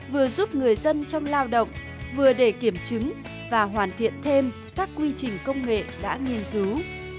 vừa giúp người dân trong lao động vừa để kiểm chứng và hoàn thiện thêm các quy trình công nghệ đã nghiên cứu